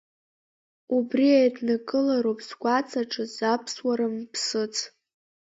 Убри еиднакылароуп згәаҵаҿы заԥсуара мԥсыц.